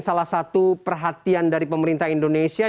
salah satu perhatian dari pemerintah indonesia